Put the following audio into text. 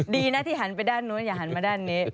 ดีนะที่หันไปด้านนู้นอย่าหันมาด้านนี้